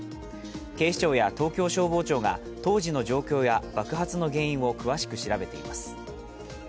警視庁や東京消防庁が当時の状況や爆発の原因を詳しく調べています。